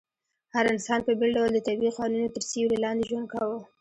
هر انسان په بېل ډول د طبيعي قوانينو تر سيوري لاندي ژوند کاوه